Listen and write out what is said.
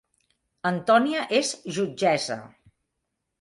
Antònia és jutgessa